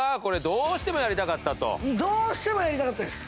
どうしてもやりたかったです。